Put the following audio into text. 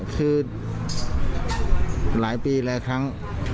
คือหลายปีหลายครั้ง